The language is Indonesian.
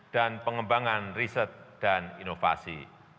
dan pengembangan riset dan inovasi